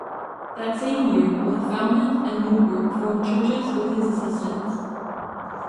That same year, both Falmouth and Newport formed churches with his assistance.